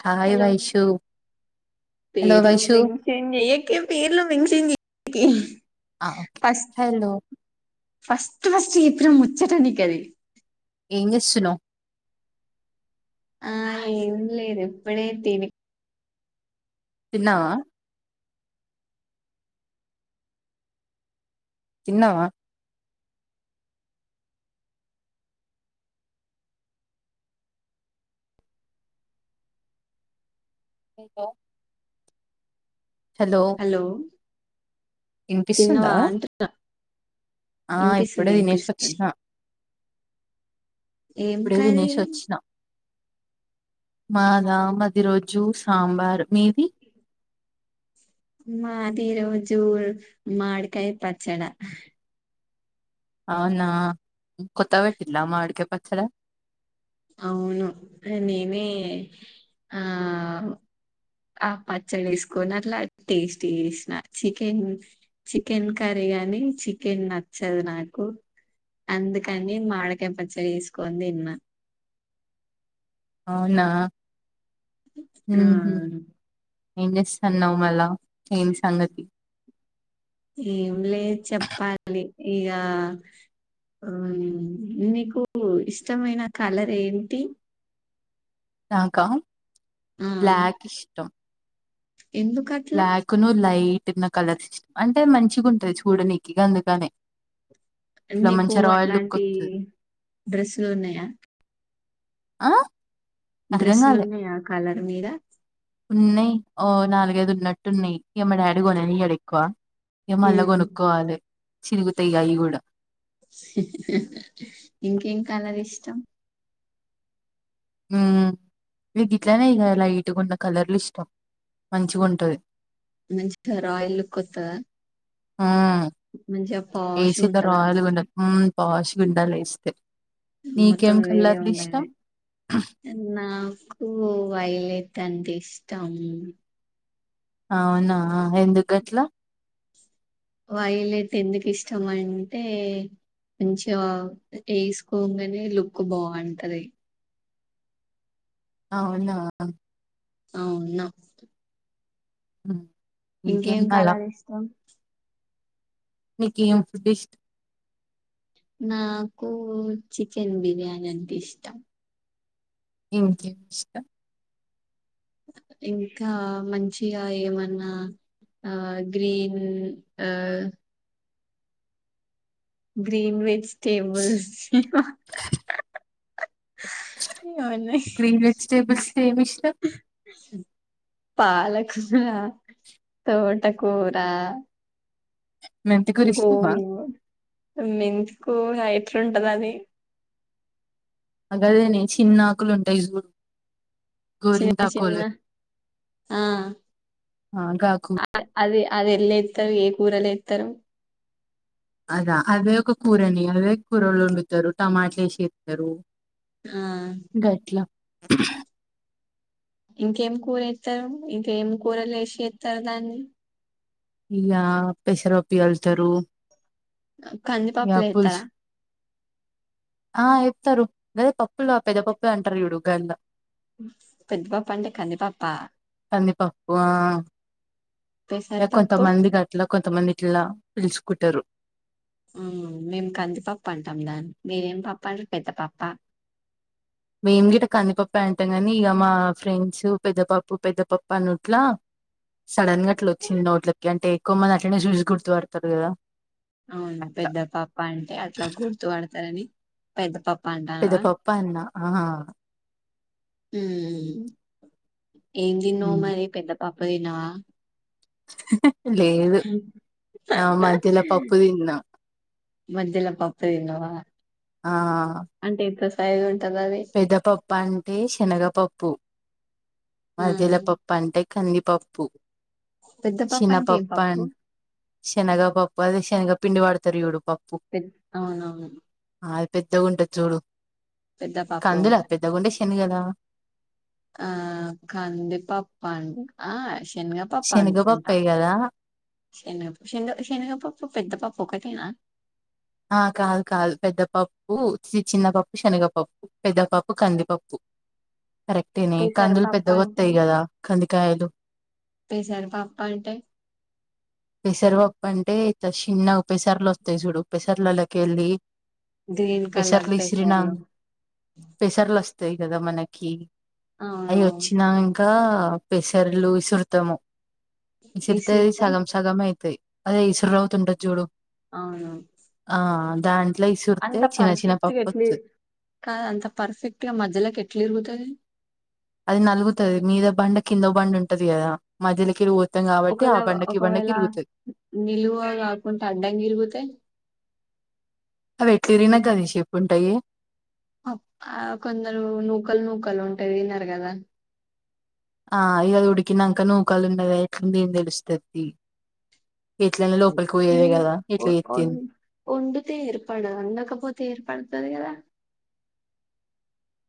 Hi Vaishu hello పేర్లు Vaishu mention చేయకే పేర్లు మెన్షన్ చే [unintelligible] ఆ హలో ఫస్ట్ ఫస్ట్ చెప్పిన ముచ్చట నీకది ఏంచేస్తున్నవ్ ఆ ఏం లేదు ఇప్పుడే తిని తిన్నావా తిన్నావా ఇంతో హలో వినిపిస్తుందా తిన్నవా అంటున్న ఆ ఇప్పుడే తినేసి వచ్చినా ఏం ఇప్పుడే కర్రీ తినేసి వచ్చిన మాదా మాది ఈ రోజు సాంబారు, మీది మాదీరోజూ మాడికాయ పచ్చడా అవునా కొత్తగ పెట్టిందా మామిడ్కాయ పచ్చడా అవును నేనే ఆ ఆ పచ్చడి వేసుకొని అట్లా టేస్ట్ చేసిన చికెన్ చికెన్ కర్రీ గాని చికెన్ నచ్చదు నాకు అందుకని మావిడకాయ పచ్చడి వేసుకొని తిన్న అవునా ఆ ఉహు ఏం చేస్తున్నావు మళ్ళా, ఏం సంగతి ఏం లే చెప్పాలి ఇగా ఆ నీకు ఇష్టమైన కలర్ ఏంటి నాకా ఆ బ్లాక్ ఇష్టం ఎందుకు అట్లా బ్లాక్ ను లై లైటు ఉన్న కలర్ ఇష్ అంటే మంచిగుంటై చూడనీకి గందుకనే నీకు అట్లాంటి డ్రెస్సులు ఉన్నాయా ఆ అర్థం డ్రెస్సులు కాలే ఉన్నాయా కలర్ మీద ఉన్నాయి ఓ నాలుగైదు ఉన్నట్టు ఉన్నాయి ఏ మ డాడీ కొననియడెక్కువ నే మళ్ళా ఉమ్. కొనుక్కోవాలె చిరుగుతాయి అయి గూడ ఇంకేం కలర్ ఇష్టం మ్మ్ నీ కిట్లనేగా లై ఎట్టుగున్న కలర్లు ఇష్టం మంచిగుంటది మంచిగ రాయల్ లుక్ వొత్తద మ్ ఏసీతో ఉంటదా రోయల్ గుండ హ్మ్ పాష్ గా ఉండాలి ఇస్తే మొత్తం వేరే ఉండాలె నాకు వైలే తంటే ఇష్టం అవునా ఎందుకు అట్లా వైలెట్ ఎందుకు ఇష్టం అంటే కొంచెం వేసుకోగానే లుక్ బాగుంటది అవునా అవునా ఆ ఇంకేం కలర్ ఇష్టం మీకు ఏం ఫుడ్ ఇస్ట్ నాకు చికెన్ బిర్యానీ అంటే ఇష్టం ఇంకేం ఇష్టం ఇంకా మంచిగా ఏమన్నా ఆ గ్రీన్ ఆ గ్రీన్ విచ్ టేబుల్స్ ఇవ [inaudible] గ్రీన్ వెజిటేబుల్స్ ఏమి ఇష్టం పాలకూర తోటకూరా [inaudible] ఇష్టమా [unintelligible] మెంత్ కూరా ఎట్లుంటది అది అగదనే చిన్న ఆకులుంటాయి జూడు చిన్న చిన్న ఆ ఆ గాకు అ అది అది ఏలేతారు ఏ కూరలో ఏతరు అదా అదే ఒక కూరని అదే కూరలో ఉండుతారు టమాట ఎసి చేతరు ఆ [inaudible] ఇంకేం కూర చేతరు ఇంకేం కూరలు ఏసి చేతరు దాన్ని ఇగా పెసరపపి కలుస్తారు కందిపప్ల ఎతార ఆ ఎతరు గదే పప్పులో పేద పప్పు అంటారు జుడు గంద్ లో పెద్ద పప్పు అంటే కందీపప్పా కందిపప్పు ఆ ఇహ పెసరపప్పు కొంతమంది గట్ల కొంతమంది ఇట్లా పిల్చుకుంటరు. హ్మ్ మేం కందిపప్పు అంటాం దాన్ని, మీరేం పప్పం పెద్దపప్పా? మేం గిట కందిపప్పే అంటాం గానీ ఇగ మా ఫ్రెండ్స్ పెద్దపప్పు పెద్దపప్పు అనుట్లా సడన్ గా అట్లొచ్చింది నోట్లకి, అంటే ఎక్కువ మంది అట్లనే జూసి గుర్తువడతరు గదా. అవును పెద్దపప్పంటె అట్ల గుర్తువడతరని. పెద్దపప్ పెదపప్పాన్నా ఆ హ్మ్మ్ ఏం తిన్నవు ఉమ్. మరి పెద్దపప్ పొయినా [unintelligible] ఆ మధ్యలో పప్పు తిన్నాం మధ్యలో పప్పు తిన్నావా? అంటే ఎక్సస్ [unintelligible] పెదపప్పు అంటే శనగపప్పు, ఆ మధ్యలపప్పు అంటె కందిపప్పు పెద్దపప్పు అంటే ఏం శనపప్పు పప్పు అం శనగపప్పు అదే శనగపిండి వాడుతరు జూడు. పెద్ అవునవును. పెద్దగుంటది జూడు. పెద్ద పాప కందులా పెద్దగుండెస్ ఎనుగదా. ఆ కందిపప్పాండి ఆ స్ శనగపప్పానుకుంటా, శనగపప్పే కదా శనగ షెన్గ షెనగపప్పు పెద్దపప్ ఒకటేనా. ఆ కాదు కాదు పెద్దపప్పు, సి చిన్నపప్పు, శనగపప్పు. పెద్దపప్పు కందిపప్పు. కరెక్టేనే, కందులు పెసరపప్పు పెద్దగొస్తాయి గదా ఖంది కాయిదు. పెసరపప్పంటే? పెసరపప్పంటే ఇట్ట షిన్నగ పేసర్లొస్తయి జూడు, పెసర్లలకెల్లీ. గ్రీన్ కలర్ పెసర్లు ఇసిరినా పెసర్లు పెసర్లొస్ స్తయి కదా మనకి. అయి అవును ఒచ్చినా ఇంకా ఆ పెసర్లు ఇసురుతము. ఇసురుతది ఇసిరితే సగం. అయితది. అదే ఇసురవుతుంటది జూడు. అవును దాన్ అంత పర్ఫెక్ట్గా ఎట్లి కా అంత పర్ఫెక్ట్గా మధ్యలోకి ఎట్లు ఇరుగుతది అది నలుగుతుది మీద బండ కిందో బండ ఉంటది కదా మధ్యలోకిరు ఒకవేళ ఒకవేళ నిలువ కాకుండా అడ్డం తరిగితే అవి ఎట్లు ఇరిగినా గదే షేప్ ఉంటాయి కొందరు నూకలు నూకలు ఉంటే తిన్నారు కదా ఆ ఇ ఉడికినంకనో నూకాలు ఉండద అట్లుంది తెలుస్తాది తిన్ ఓ ఓ చెత్తంది వోడితే ఏర్పాడు వడకపోతే ఏర్పాడు అదిగద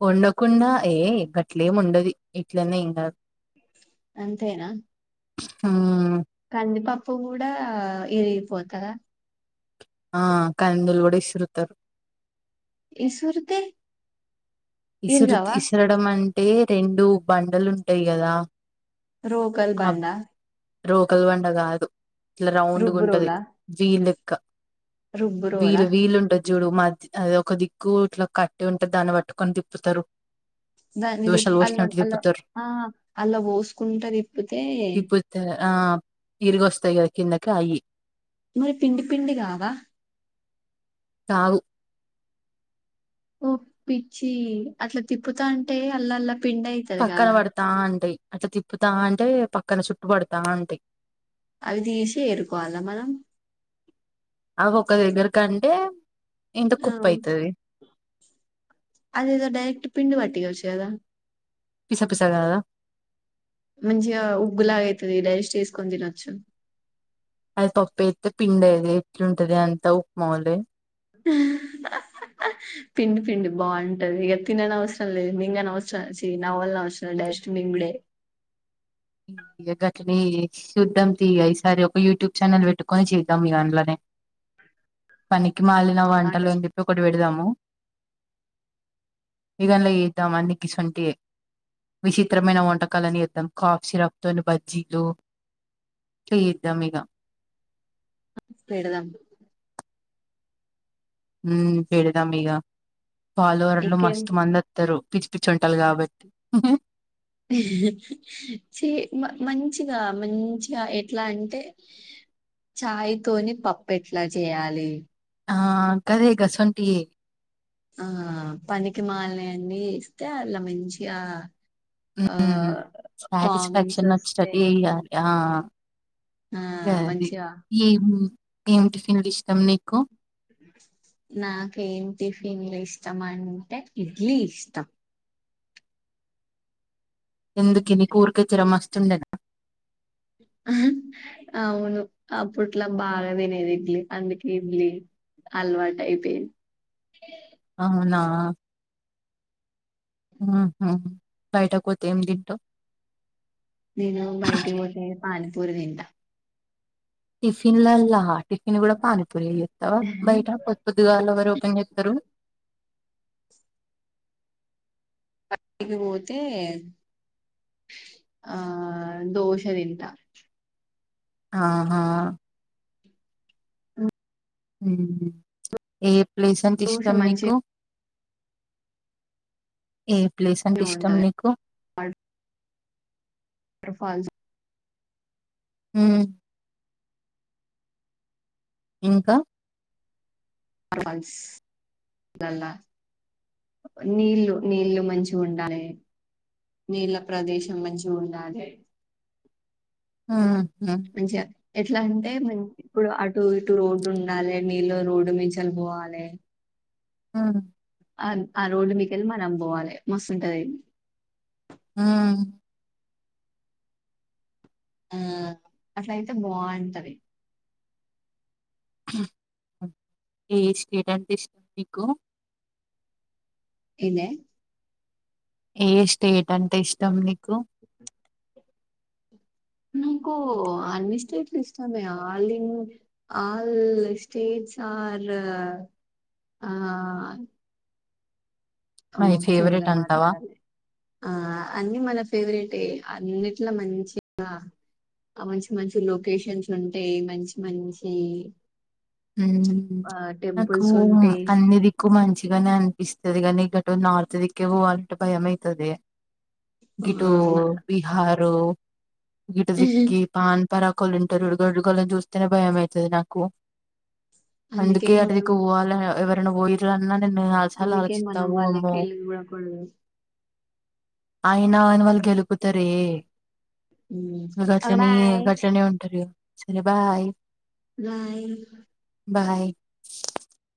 వొండకుండా ఏ గట్లేముండది ఇట్లనే ఇంత అంతేనా ఉమ్ ప్పుగుడా ఇరిగిపోతదా ఆ కందులుగూడ ఇసురుతారు ఇసురుతే ఇసురుత్ ఇసరడమం టే రెండు బండలుంటయి గదా రోకల్ బండా రోకల్ బండ గాదు ఇట్ల రౌండ్గుటది రుబ్బురోలా జీలెక్క రుబ్బురోలా వీలు వీలు ఉంటది చూడు మద్ అ ఒక దిక్కు ఇట్ల కట్టుంటది దాన్నిబట్టు కొని దిప్ పుతరు దాన్ని దిప్ అల్ల అల్ల ఆ అల్ల వోసుకుంట తిప్పుతే తిప్పుతే ఆ తిరిగొస్తయిగద కిందకి అయ్యి మరి పిండి పిండిగావా కావు ఓ పిచ్చి అట్ల తిప్పుతాంటే అల్లల్ల పక్కన పడతాంటయి అట్ల తిప్పుతాంటే పక్కన సుట్టుపడతాంటయి అవి తీసి ఏరుకోవాలా మనం అవొక దగ్గరికంటే ఆ అదేదో డైరెక్ట్ పిండి వట్ యొచ్చు గదా పిస పిస గాదా మంచిగ ఉగ్గులాగయితది డైజెస్ట్ ఏసుకొని తినొచ్చు అది పప్పేత్తే పిండి అయ్యేది ఎట్లుంటదే అంత ఉప్మోలే పిండి పిండి బాగుంటది ఇగ తిననవసరం లేదు మింగనవసరం చీ నవ్వల్నవసరం లే డైరెస్ట్ మింగుడే ఇగ గట్లనే శుద్ధాం తీ ఈసారి ఒక యూట్యూబ్ ఛానల్ వెట్టుకొని చేద్దాం ఇగ అండ్లనే పని మాలిన అట్లా వంటలని చెప్పి ఒకటి వెడదాం హలో ఇగ అండ్ల చేద్దాం అన్ని గిసొంటియే విచిత్రమైన వంటకాలన్ని చేత్తం కా షిరప్ తోని బజ్జీలు చేద్దాం ఇగ పెడదాం ఊ పెడదాం ఇగ ఫాలోవర్లు ఇంకేం మస్త్ మందొ త్తరు పిచ్చి పిచ్చొంటలు కాబట్ ఉ హే చీ మంచిగా మంచిగా ఎట్లా అంటే చాయ్ తోని పప్పు ఎట్లా చేయాలి ఆ కదే గసొంటియే ఆ పనికి మాలినయన్ని ఇస్తే అట్లా మంచిగా ఆ ఉమ్ కామెంట్స్ సాటిస్ఫాక్షన్ వచ్చ స్టడీ వస్తాయి అయ్యాలి ఆ ఆ గది మంచిగా ఏము ఏం టిఫిన్ లు ఇష్ నాకేం ఏం టిఫ్ ఫిన్లు ఇష్టం అంటే ఇడ్లీ ఇష్టం ఎందుకుని కూర్కచరమస్తూ చండగా అవును అప్పుట్లా బాగా తినేది ఇడ్లీ అందుకే ఇడ్లీ అలవాటు అయిపోయింది అవునా ఆహా బయటక్ పోతే ఏం తింటావ్ నేను బయటికి పోతే పాణి పూ పురి తింట టిఫిన్ లల్లా టిఫిన్ కూడా పానీపూరి యేజేస్తావా బయట పొద్ పొద్దుగాళ్ల ఎవరు ఓపెన్ చేస్తారు బయటకి పోతే ఆ దోశ తింట ఆహా ఉమ్ హుమ్ యే ప్లేస్ అంటే దోశ ఇష్టం నీకు మంచిగానే ఏ ప్లేస్ అంటే ఇష్టం ఉంటది నీకు వాటర్ ఫాల్స్ ఉమ్ ఇంకా ఫాల్స్ అలా నీళ్లు నీళ్ళు మంచిగా ఉండాలి నీళ్ళ ప్రదేశం మంచిగా ఉండాలి ఉమ్ మంచిగా ఎట్లా అంటే ఇప్పుడు అటు ఇటు రోడ్డు ఉండాలే నీళ్లో రోడ్డు మించెల్ పోవాలే ఆ ఆ రోడ్ మీకెళ్ళి మనం పోవాలే మస్తుంటాది ఆ ఆ అట్లయితే బాగుంటది ఏ స్టేట్ అంటే ఇష్టం మీకు ఎందే ఏ స్టేట్ అంటే ఇష్టం నీకు నాకు అన్ని స్టేట్లు ఇష్టమే all in all states are my అమ్మో తెలుగులో ఫేవరెట్ అంటావా? మాట్లాడాలి ఆ అన్ని మన ఫేవరెట్ అన్నిట్లో మంచిగా మంచి మంచి లొకేషన్స్ ఉంటాయి మంచి మంచి ఊహు ఆహ్, నాకు టెంపుల్స్ ఉంటాయి. అన్నిదికు మంచిగానే అనిపిస్తది గానీ గట్ నార్త్ దిక్కు పోవాలంట భయం అవుతుది గేటు ఆహ్, మ బీహార్ హ గిట దకి పాన్ పరాకోలు ఉంటారుగడుగని చూస్తేనే భయం అవుతుది నాకు అందుకే అటుదికు పోవాలి ఎవర్ పోయిన రన్ అందుకే మనం వాళ్ళకి వెళ్ళ కూడాదు అయినా అని వాళ్ళు గెలుకుటారే హ్మ్. గేట్లను బాయ్. గేట్లను ఉంటారు ఇగ సరే బాయ్ బాయ్ బాయ్